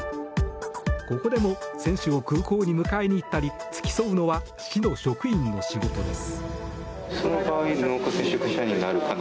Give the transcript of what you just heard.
ここでも選手を空港に迎えに行ったり付き添うのは市の職員の仕事です。